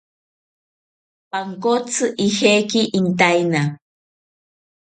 Pankotzi ojeki intaena